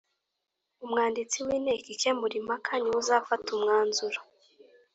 Umwanditsi w inteko ikemura impaka ni we uzafata umwanzuro